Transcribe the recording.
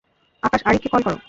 আকাশ আরিককে কল করো।